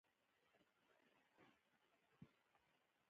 ښارونه د چاپیریال ساتنې لپاره ډېر مهم دي.